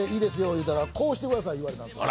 言うたら、こうしてくださいって言われたんですよ。